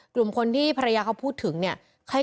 กลุ่มคนที่ภรรยาเขาพูดถึงเนี่ย